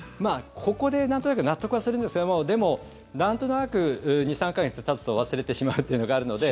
ここでなんとなく納得はするんですけどでもなんとなく２３か月たつと忘れてしまうというのがあるので。